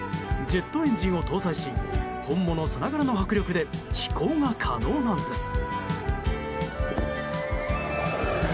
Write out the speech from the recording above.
ジェットエンジンを搭載し本物さながらの迫力で飛行が可能なんです。